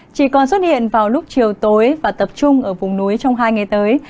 chỉ còn xuất hiện vào lúc chiều tối và tập trung ở vùng núi trong hai ngày tới